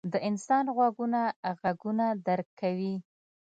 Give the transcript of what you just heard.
• د انسان غوږونه ږغونه درک کوي.